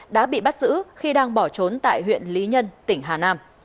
đã bị bắt giữ khi đang bỏ trốn tại huyện lý nhân tỉnh hà nam